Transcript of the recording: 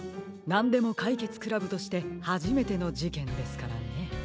なんでもかいけつ倶楽部としてはじめてのじけんですからね。